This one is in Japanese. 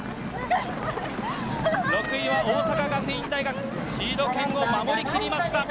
６位は大阪学院大学、シード権を守り切りました。